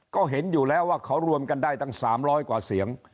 ก็เห็นอยู่แล้วว่าเขารวมกันได้ตั้ง๓๐๐กว่าเสียง